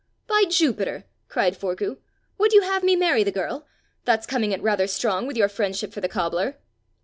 "By Jupiter!" cried Forgue. "Would you have me marry the girl? That's coming it rather strong with your friendship for the cobbler!"